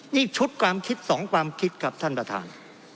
นี่ชุดความคิดสองความคิดครับท่านประธาน